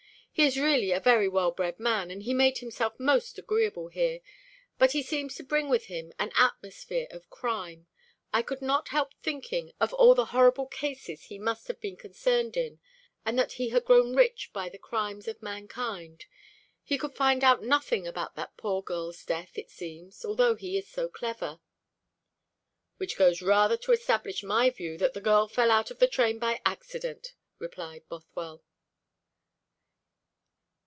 "He is really a very well bred man, and he made himself most agreeable here; but he seemed to bring with him an atmosphere of crime. I could not help thinking of all the horrible cases he must have been concerned in, and that he had grown rich by the crimes of mankind. He could find out nothing about that poor girl's death, it seems, although he is so clever." "Which goes rather to establish my view that the girl fell out of the train by accident," replied Bothwell.